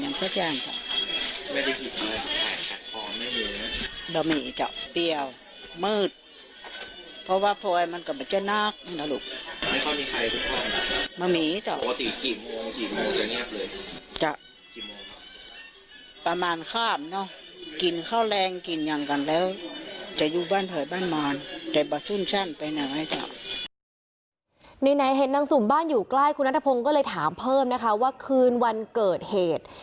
นางสุมบ้านือกล้ายคุณราฐพงศ์ก็เลยถามเพิ่มว่าคืนวันเกิดเหตุ